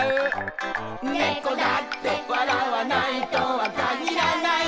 「猫だって笑わないとは限らない」